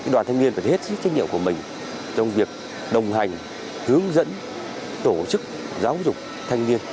đoàn thanh niên phải hết sức trách nhiệm của mình trong việc đồng hành hướng dẫn tổ chức giáo dục thanh niên